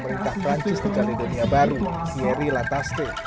pemerintah perancis di kaledonia baru thierry lattaste